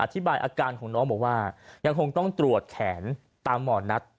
อธิบายอาการของน้องบอกว่ายังคงต้องตรวจแขนตามหมอนัท